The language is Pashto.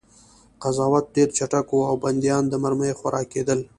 قضاوت ډېر چټک و او بندیان د مرمیو خوراک کېدل